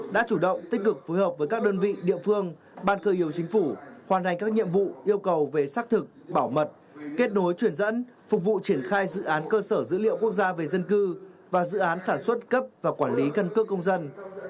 đã chủ động tích cực phối hợp với các đơn vị địa phương ban cơ yếu chính phủ hoàn thành các nhiệm vụ yêu cầu về xác thực bảo mật kết nối truyền dẫn phục vụ triển khai dự án cơ sở dữ liệu quốc gia về dân cư và dự án sản xuất cấp và quản lý cân cước công dân